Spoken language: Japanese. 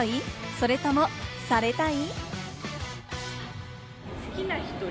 それとも、されたい？